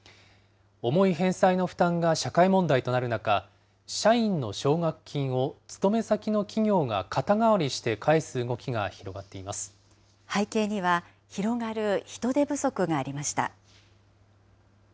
重い返済の負担が社会問題となる中、社員の奨学金を勤め先の企業が肩代わりして返す動きが広がってい背景には、広がる人手不足がありました。